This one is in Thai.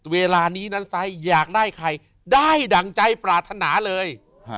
เวลานี้นั้นไซส์อยากได้ใครได้ดั่งใจปรารถนาเลย